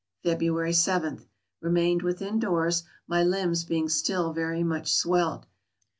February J. — Remained within doors, my limbs being still very much swelled.